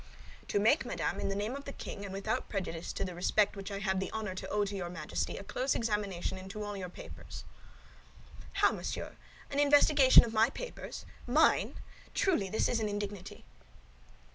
"To make, madame, in the name of the king, and without prejudice to the respect which I have the honor to owe to your Majesty a close examination into all your papers." "How, monsieur, an investigation of my papers—mine! Truly, this is an indignity!"